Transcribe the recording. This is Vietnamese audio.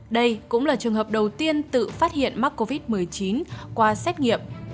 đây cũng là trường hợp đầu tiên tự phát hiện mắc covid một mươi chín qua xét nghiệm